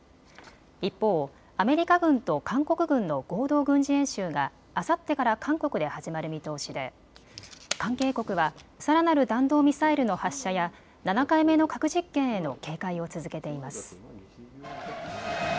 一方、アメリカ軍と韓国軍の合同軍事演習が、あさってから韓国で始まる見通しで関係国はさらなる弾道ミサイルの発射や７回目の核実験への警戒を続けています。